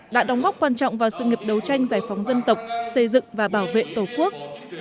đã đóng góp quan trọng vào sự nghiệp đấu tranh giải phóng dân tộc xây dựng và bảo vệ tổ quốc